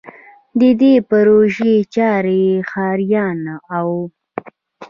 د دې پروژې چارې ښاریانو او